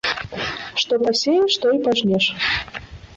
Што пасееш, тое і пажнеш